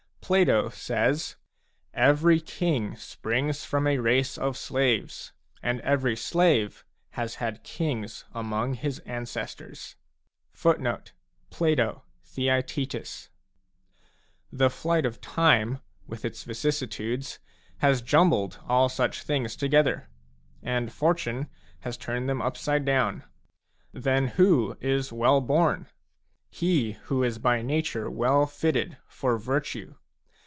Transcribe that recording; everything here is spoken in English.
Plato says :" Every king springs from a race of ~^ slaves, and every slave has had kings among his ancestors." a The flight of time, with its vicissitudes, has jumbled all such things together, and Fortune has turned them upside down. Then who is well born ? _J He who is by nature well fitted for virtue.